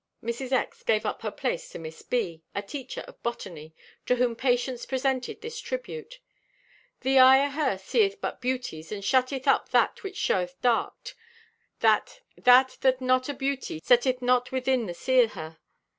Mrs. X. gave up her place to Miss B., a teacher of botany, to whom Patience presented this tribute: "The eye o' her seeth but beauties and shutteth up that which showeth darked, that that not o' beautie setteth not within the see o' her.